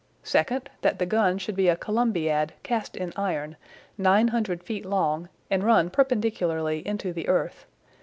Second, that the gun should be a Columbiad cast in iron, 900 feet long, and run perpendicularly into the earth.